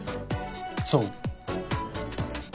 そう？